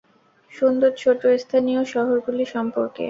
সুন্দর ছোট স্থানীয় শহরগুলি সম্পর্কে।